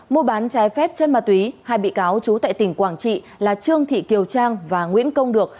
mua bán trái phép chân ma túy hai bị cáo trú tại tỉnh quảng trị là trương thị kiều trang và nguyễn công được